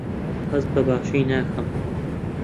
هەست بەباشی ناکەم.